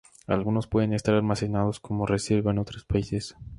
Algunos pueden estar almacenados como reserva en otros países.